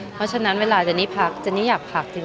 เพราะฉะนั้นเวลาเจนนี่พักเจนนี่อยากพักจริง